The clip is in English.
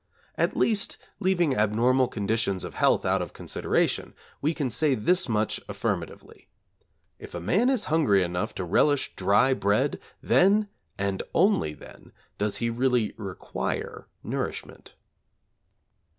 At least, leaving abnormal conditions of health out of consideration, we can say this much affirmatively: if a man is hungry enough to relish dry bread, then, and then only, does he really require nourishment.